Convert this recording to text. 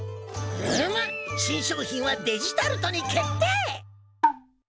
うむ新商品はデジタルトに決定！